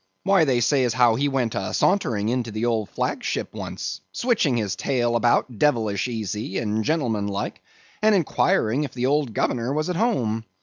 Why, they say as how he went a sauntering into the old flag ship once, switching his tail about devilish easy and gentlemanlike, and inquiring if the old governor was at home.